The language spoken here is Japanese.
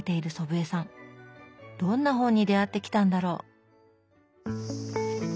どんな本に出会ってきたんだろう？